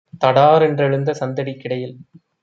தடாரென் றெழுந்த சந்தடிக் கிடையில்